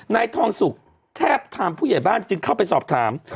นายทองสุกแทบทามผู้ใหญ่บ้านจึงเข้าไปสอบถาม